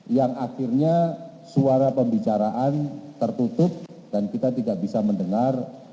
yang akhirnya suara pembicaraan tertutup dan kita tidak bisa mendengar